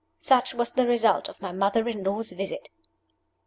Such was the result of my mother in law's visit!